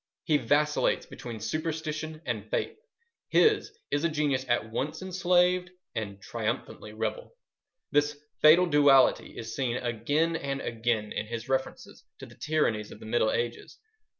He vacillates between superstition and faith. His is a genius at once enslaved and triumphantly rebel. This fatal duality is seen again and again in his references to the tyrannies of the Middle Ages.